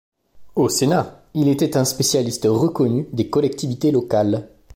Au Sénat, il était un spécialiste reconnu des collectivités locales.